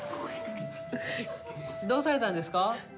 どうされたんですか？